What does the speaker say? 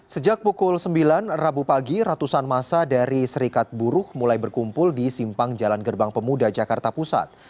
sejak pukul sembilan rabu pagi ratusan masa dari serikat buruh mulai berkumpul di simpang jalan gerbang pemuda jakarta pusat